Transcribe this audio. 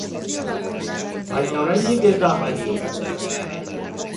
Baina oraindik ez da amaitu.